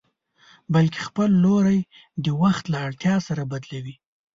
بلکې خپل لوری د وخت له اړتيا سره بدلوي.